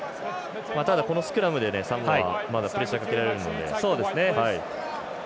このスクラムでサモアまだプレッシャーをかけられるので。